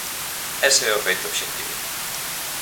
Ese é o feito obxectivo.